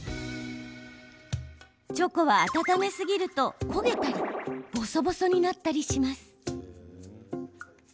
チョコは温めすぎると焦げたりぼそぼそになったりします。